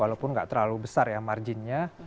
walaupun nggak terlalu besar ya marginnya